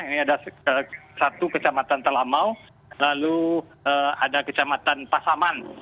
ini ada satu kecamatan talamau lalu ada kecamatan pasaman